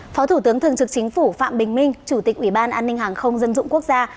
phó thủ tướng thường trực chính phủ phạm bình minh chủ tịch ủy ban an ninh hàng không dân dụng quốc gia